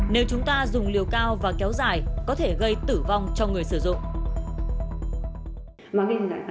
nếu chúng ta dùng liều cao và kéo dài có thể gây tử vong cho người sử dụng